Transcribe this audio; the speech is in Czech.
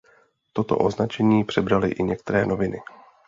Toto označení přebraly i některé noviny.